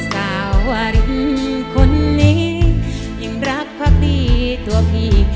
สาวรินคนนี้ยิ่งรักความดีตัวผี